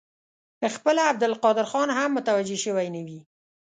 خپله عبدالقادر خان هم متوجه شوی نه وي.